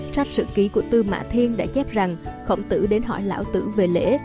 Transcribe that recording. trách sự ký của tư mạ thiên đã chép rằng khổng tử đến hỏi lão tử về lễ